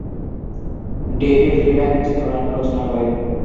Davy Freeman চিত্রনাট্য রচনা করেন।